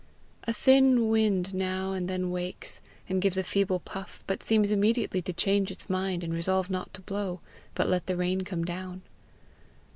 A thin wind now and then wakes, and gives a feeble puff, but seems immediately to change its mind and resolve not to blow, but let the rain come down.